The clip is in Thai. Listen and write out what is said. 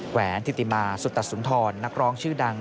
แหวนธิติมาสุตสุนทรนักร้องชื่อดัง